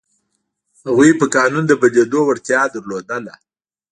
هغوی په قانون د بدلېدو وړتیا لرله.